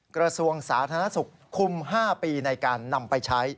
กสธศ๕ปีในการนำไปใช้